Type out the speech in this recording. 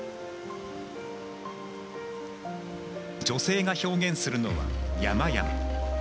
女性が表現するのは山々。